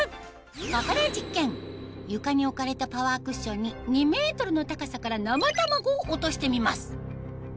ここで実験床に置かれたパワークッションに２ｍの高さから生卵を落としてみます